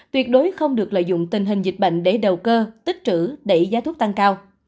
tuyệt đối không được lợi dụng tình hình dịch bệnh để đầu cơ tích trữ đẩy giá thuốc tăng cao